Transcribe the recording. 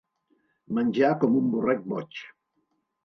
Menjar com un borrec boig.